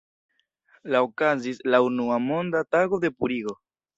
La okazis la unua Monda Tago de Purigo.